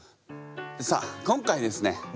さあ今回ですね